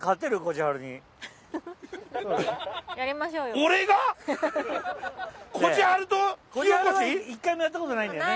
じはるは１回もやったことないんだよね？